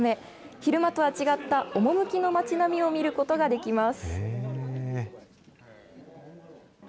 昼間とは違った趣の町並みを見ることができます。